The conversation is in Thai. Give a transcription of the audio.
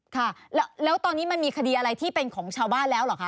ค่ะแล้วตอนนี้มันมีคดีอะไรที่เป็นของชาวบ้านแล้วเหรอคะ